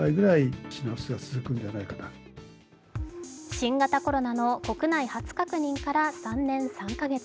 新型コロナの国内初確認から３年３カ月。